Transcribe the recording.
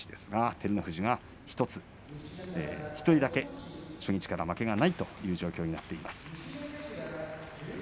照ノ富士、１人だけ初日から負けがない状況になっています。